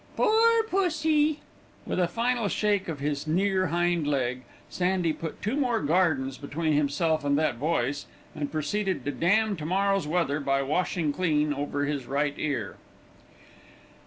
"Poor pussy." With a final shake of his near hind leg, Sandy put two more gardens between himself and that voice, and proceeded to damn to morrow's weather by washing clean over his right ear.